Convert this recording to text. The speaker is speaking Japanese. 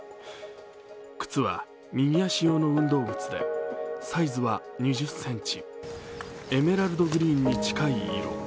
靴は右足用の運動靴でサイズは２０ｃｍエメラルドグリーンに近い色。